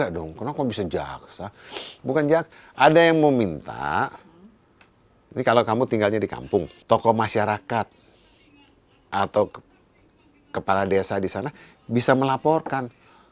toko masyarakat atau kepala desa di sana bisa melaporkan